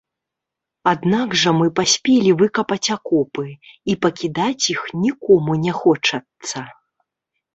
Аднак жа мы паспелі выкапаць акопы, і пакідаць іх нікому не хочацца.